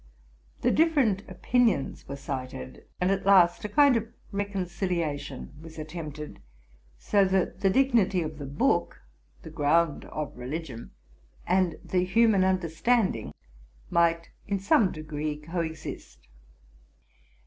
The different opinions were cited; and at last a kind of recon ciliation was attempted, so that the dignity of the book, the eround of religion, and the human understanding, might in some degree co exist.